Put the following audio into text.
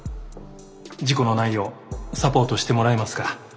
事故のないようサポートしてもらえますか？